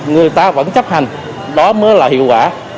người ta vẫn chấp hành đó mới là hiệu quả